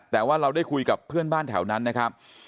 แต่ว่าเราได้คุยกับเพื่อนบ้านแถวนั้นนะครับ